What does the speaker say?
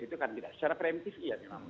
itu kan secara preventif ya memang